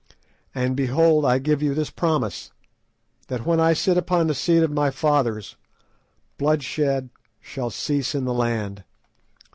"And behold, I give you this promise, that when I sit upon the seat of my fathers, bloodshed shall cease in the land.